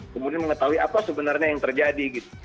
kemudian mengetahui apa sebenarnya yang terjadi gitu